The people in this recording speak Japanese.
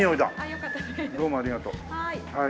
どうもありがとうはい。